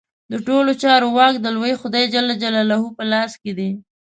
د ټولو چارو واک د لوی خدای جل جلاله په لاس کې دی.